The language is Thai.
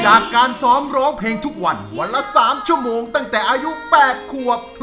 จากการซ้อมร้องเพลงทุกวันวันละ๓ชั่วโมงตั้งแต่อายุ๘ขวบ